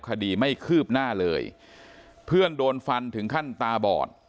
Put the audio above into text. คดีไม่คืบหน้าเลยเพื่อนโดนฟันถึงขั้นตาบอด